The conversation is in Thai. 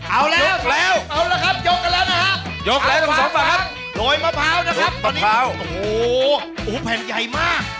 เอาแล้วนะครับจบหลงห่างโดยมะพร้าวนะครับตอนนี้โอ้โหแผนใหญ่มาก